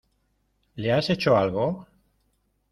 ¿ le has hecho algo?